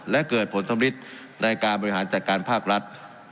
และเกิดผลสำริดในการบริหารจัดการภาครัฐ